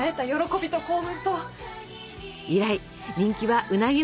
以来人気はうなぎ登り。